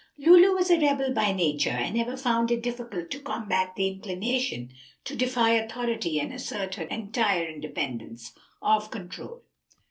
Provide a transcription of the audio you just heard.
Lulu was a rebel by nature, and ever found it difficult to combat the inclination to defy authority and assert her entire independence of control.